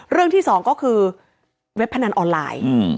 เรื่องที่สองก็คือเว็บพนันออนไลน์